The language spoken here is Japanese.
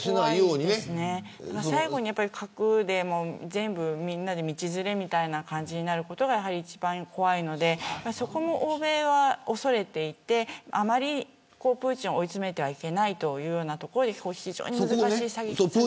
最後に核で全部みんな道連れみたいな感じになることが一番怖いのでそこも欧米は恐れていてあまりプーチンを追い詰めてはいけないというところで非常に難しいです。